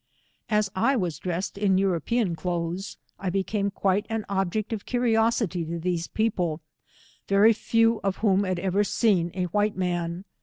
As I was dressed in European clothes I became quite an object of curiosity to these people, very few of whom had ever ssen a white man.